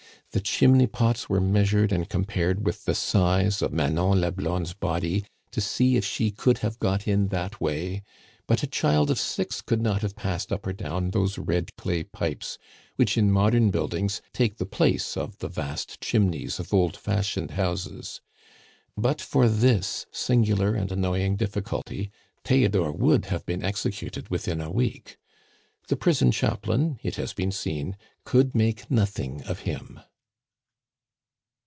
The chimney pots were measured and compared with the size of Manon la Blonde's body to see if she could have got in that way; but a child of six could not have passed up or down those red clay pipes, which, in modern buildings, take the place of the vast chimneys of old fashioned houses. But for this singular and annoying difficulty, Theodore would have been executed within a week. The prison chaplain, it has been seen, could make nothing of him.